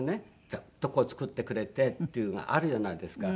ちゃんとこう作ってくれてっていうのがあるじゃないですか。